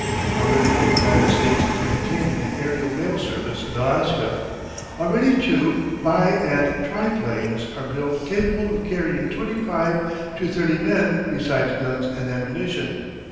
Already the United States is maintaining an aërial mail service in Alaska. Already too, bi and triplanes are built capable of carrying twenty five to thirty men besides guns and ammunition.